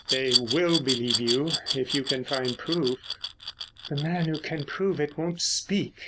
"They will believe you if you can find proof." "The man who can prove it won't speak.